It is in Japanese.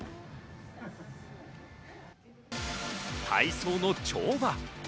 体操の跳馬。